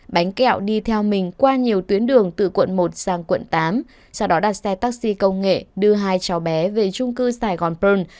bánh kẹo đi theo mình qua nhiều tuyến đường từ quận một sang quận tám sau đó đặt xe taxi công nghệ đưa hai cháu bé về trung cư sài gòn pearl